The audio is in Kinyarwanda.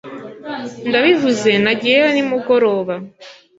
NdabivuzeNagiyeyo nimugoroba